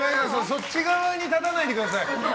そっち側に立たないでください。